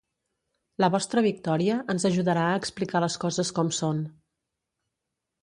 La vostra victòria ens ajudarà a explicar les coses com són.